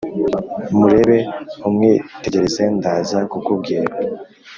murebe umwitegereze ndaza kukubwira